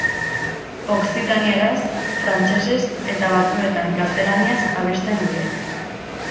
Okzitanieraz, frantsesez eta batzuetan gaztelaniaz abesten dute.